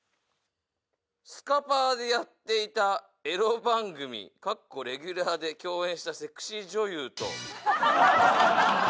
「スカパー！でやっていたエロ番組で共演したセクシー女優と」